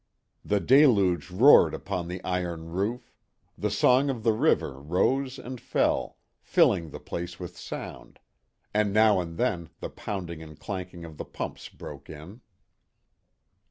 The deluge roared upon the iron roof; the song of the river rose and fell, filling the place with sound; and now and then the pounding and clanking of the pumps broke in.